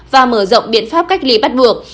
và mở rộng biện pháp cách ly bắt buộc